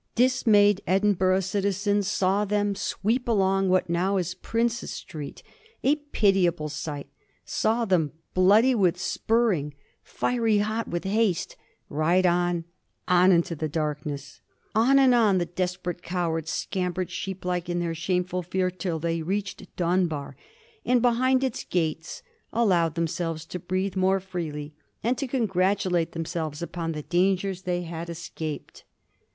Dismayed Edinburgh citizens saw them sweep along what now is Prince's Street, a piti able sight; saw them, bloody with spurring, fiery hot with 1745. EDINBUBOH PARLEYS. 213 haste, ride on— on into the darkness. On and on the des* perate cowards scampered, sheep like in their shameful fear, till they reached Danbar, and behind its gates allowed themselves to breathe more freely, and to congratulate themselves upon the dangers they had escaped.